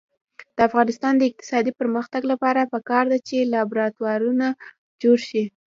د افغانستان د اقتصادي پرمختګ لپاره پکار ده چې لابراتوارونه جوړ شي.